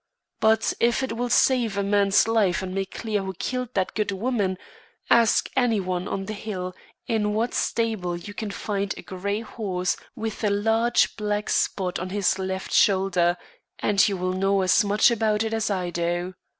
But if it will save a man's life and make clear who killed that good woman, ask any one on the Hill, in what stable you can find a grey horse with a large black spot on his left shoulder, and you will know as much about it as I do.